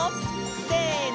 せの！